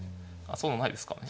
そうでもないですかね？